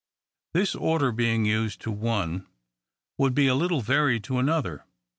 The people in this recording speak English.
This order, being used to one, would be a little varied to another.